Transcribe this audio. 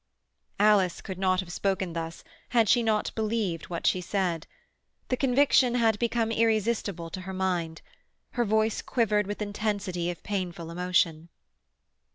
Alice could not have spoken thus had she not believed what she said. The conviction had become irresistible to her mind. Her voice quivered with intensity of painful emotion.